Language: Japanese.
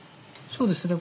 そうですね。